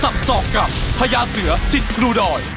ศอกกับพญาเสือสิทธิ์ครูดอย